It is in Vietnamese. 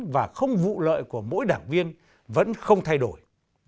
và không vụ lợi của mỗi đảng viên vẫn không thay đổi